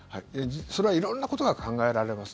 それは色んなことが考えられます。